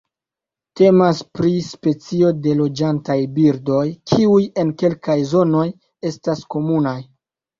Temas pri specio de loĝantaj birdoj, kiuj en kelkaj zonoj estas komunaj.